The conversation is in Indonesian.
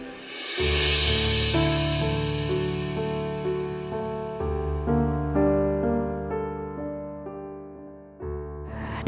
bapak bisa ikut saya di sini